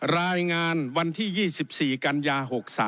รายงานวันที่๒๔กันยา๖๓